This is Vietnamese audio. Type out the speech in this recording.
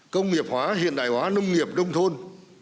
công nghiệp hóa hiện đại hóa nông nghiệp nông thôn